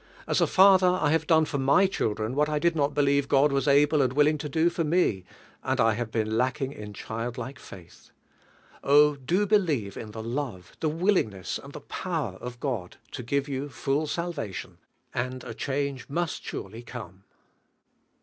As a father I have done for my children what 1 did not believe God was able and willing to do for me, and 1 have 1 n lacking in chil.l like faith." (Hi. do 100 DIVINE HEALING. • believe in the love, the willingness and power of God to give yon fall salvation, and a change must sorely come.